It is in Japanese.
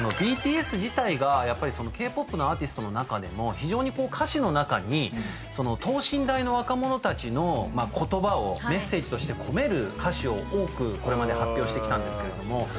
ＢＴＳ自体がやっぱりＫ−ＰＯＰのアーティストの中でも非常にこう歌詞の中に等身大の若者たちの言葉をメッセージとして込める歌詞を多くこれまで発表してきたんですけれども。